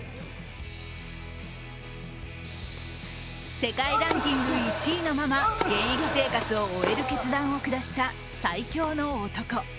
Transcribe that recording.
世界ランキング１位のまま現役生活を終える決断を下した最強の男。